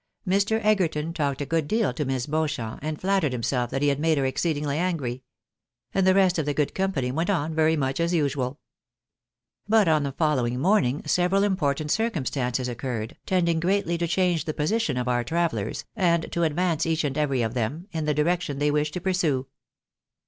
Mr. Egerton talked a good deal to Miss Beauchamp, and flattered him self that he had made her exceedingly angry. And the rest of the good company went on very much as usual. But on the following morning several important circumstances occurred, tending greatly to change the position of our travellers, and to advance each and every of them in the directipn they wished to pursue.